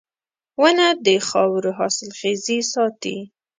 • ونه د خاورو حاصلخېزي ساتي.